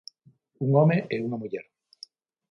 Un home e unha muller.